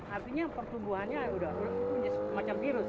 artinya pertumbuhannya sudah punya semacam virus